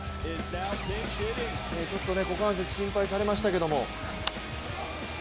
ちょっと股関節心配されましたけれども。